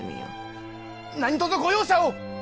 何とぞご容赦を！